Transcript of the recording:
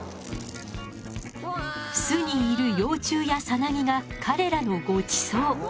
巣にいる幼虫やサナギが彼らのごちそう。